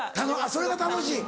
それが楽しい。